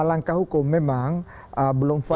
langkah hukum memang belum first